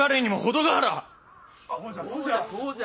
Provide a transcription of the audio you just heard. そうじゃそうじゃ。